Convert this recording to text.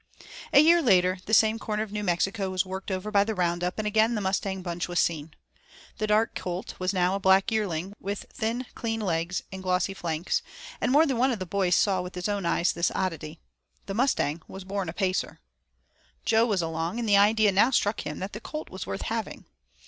A year later the same corner of New Mexico was worked over by the roundup, and again the mustang bunch was seen. The dark colt was now a black yearling, with thin, clean legs and glossy flanks; and more than one of the boys saw with his own eyes this oddity the mustang was a born pacer. Jo was along, and the idea now struck him that that colt was worth having.